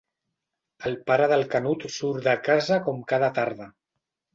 El pare del Canut surt de casa com cada tarda.